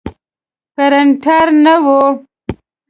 پرنټر نه و.